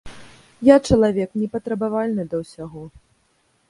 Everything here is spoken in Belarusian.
Я чалавек непатрабавальны да ўсяго.